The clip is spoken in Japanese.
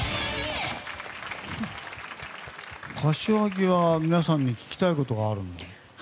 柏木は、皆さんに聞きたいことがあるんだ？